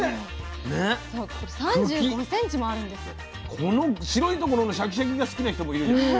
この白いところのシャキシャキが好きな人もいるよね。